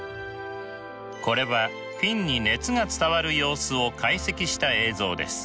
これはフィンに熱が伝わる様子を解析した映像です。